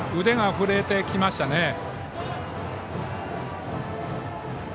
腕が振れてきましたね。